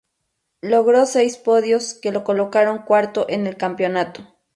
Logró seis podios que lo colocaron cuarto en el campeonato.